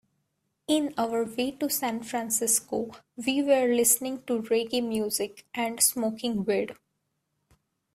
On our way to San Francisco, we were listening to reggae music and smoking weed.